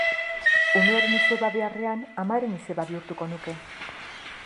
Umearen izeba beharrean, amaren izeba bihurtuko nuke.